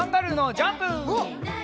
ジャンプ！